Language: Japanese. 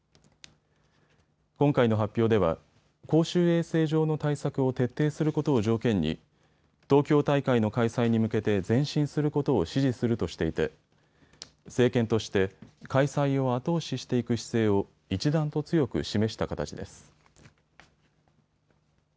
今回の発表では公衆衛生上の対策を徹底することを条件に東京大会の開催に向けて前進することを支持するとしていて政権として開催を後押ししていく姿勢を一段と強く示した形です。